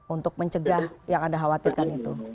untuk mencegah yang anda khawatirkan itu